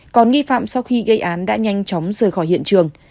còn nghi phạm sau khi gây án đã nhanh chóng rời khỏi hiện trường